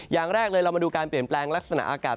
อย่างแรกเลยเรามาดูการเปลี่ยนแปลงลักษณะอากาศ